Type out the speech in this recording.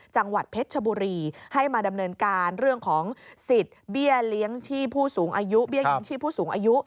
จังหวัดเพชรบุรีให้มาดำเนินการเรื่องของสิทธิ์เบี้ยเลี้ยงชีพผู้สูงอายุ